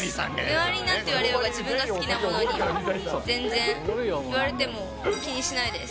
周りになんて言われようが、自分が好きなものを全然言われても気にしないです。